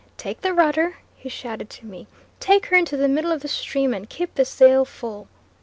"Take the rudder," he shouted to me, "take her into the middle of the stream and keep the sail full."